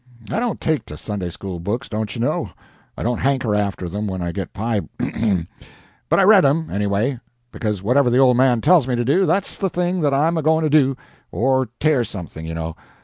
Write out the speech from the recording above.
I don't take to Sunday school books, dontchuknow I don't hanker after them when I can get pie but I READ them, anyway, because whatever the old man tells me to do, that's the thing that I'm a going to DO, or tear something, you know.